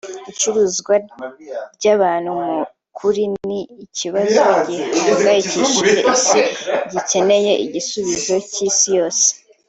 icuruzwa ry’abantu mu kuri ni ikibazo gihangayikishije Isi gikeneye igisubizo cy’Isi yose